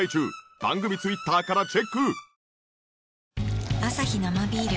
番組Ｔｗｉｔｔｅｒからチェック。